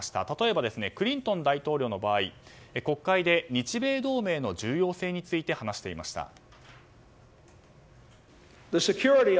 例えば、クリントン大統領の場合国会で日米同盟の重要性について話していました。